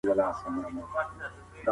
بد کار زيان لري